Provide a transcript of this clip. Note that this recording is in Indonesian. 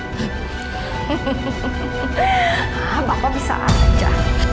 bapak bisa aja